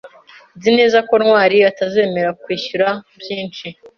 Nzi neza ko Ntwali atazemera kwishyura byinshi.